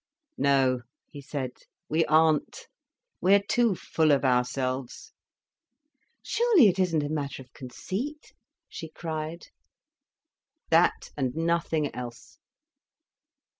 "No," he said, "we aren't. We're too full of ourselves." "Surely it isn't a matter of conceit," she cried. "That and nothing else."